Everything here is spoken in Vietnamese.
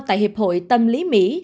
tại hiệp hội tâm lý mỹ